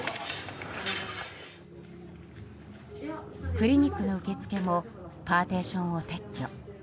クリニックの受付もパーティションを撤去。